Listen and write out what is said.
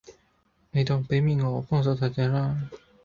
你當俾面我，幫手睇睇啦